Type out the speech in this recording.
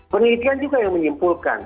penelitian juga yang menyimpulkan